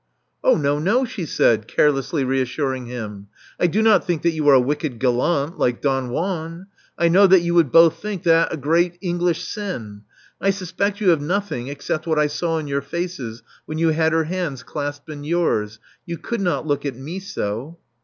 Oh, no, no,*' she said, carelessly reassuring him. I do not think that you are a wicked gallant, like Don Juan. I know you would both think that a great English sin. I suspect you of nothing except what I saw in your faces when you had her hands clasped in yours. You could not look at me so."